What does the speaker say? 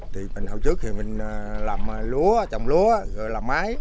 thì mình hồi trước thì mình làm lúa trồng lúa rồi làm máy